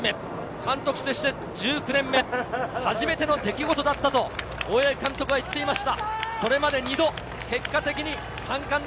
監督として１９年目、初めての出来事だったと大八木監督は言っていました。